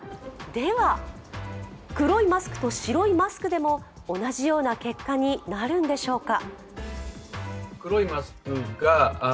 では、黒いマスクと白いマスクでも同じような結果になるんでしょうか。